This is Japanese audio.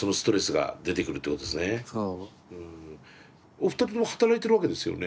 お二人とも働いてるわけですよね？